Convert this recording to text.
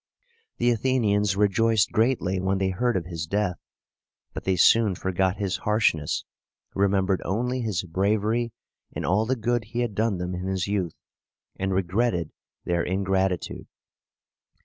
The Athenians rejoiced greatly when they heard of his death; but they soon forgot his harshness, remembered only his bravery and all the good he had done them in his youth, and regretted their ingratitude.